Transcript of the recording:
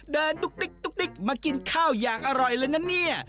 เดินดุ๊กมากินข้าวอย่างอร่อยแล้วนะนี่